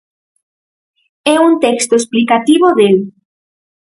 É un texto explicativo del.